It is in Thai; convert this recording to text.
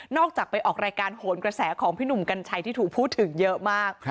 จากไปออกรายการโหนกระแสของพี่หนุ่มกัญชัยที่ถูกพูดถึงเยอะมาก